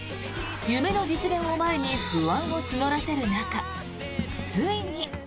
夢の実現を前に不安を募らせる中、ついに。